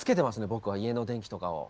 僕は家の電気とかを。